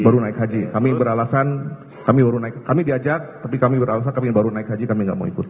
baru naik haji kami beralasan kami baru naik kami diajak tapi kami beralasan kami baru naik haji kami nggak mau ikut